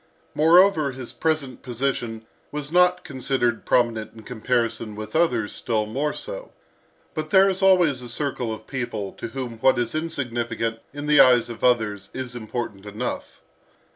Moreover, his present position was not considered prominent in comparison with others still more so. But there is always a circle of people to whom what is insignificant in the eyes of others, is important enough.